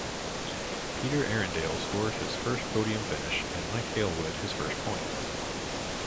Peter Arundell scored his first podium finish, and Mike Hailwood his first point.